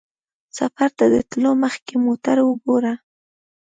سفر ته د تلو مخکې موټر وګوره.